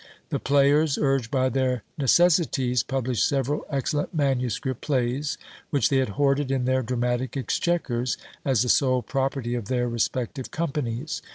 The players, urged by their necessities, published several excellent manuscript plays, which they had hoarded in their dramatic exchequers, as the sole property of their respective companies.